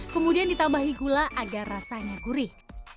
kemudian ditambahi gula agar rasanya gurih